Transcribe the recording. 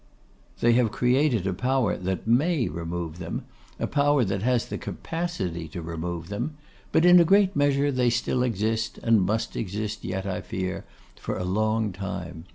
'They have created a power that may remove them; a power that has the capacity to remove them. But in a great measure they still exist, and must exist yet, I fear, for a long time.